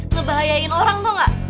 ngebahayain orang tau ga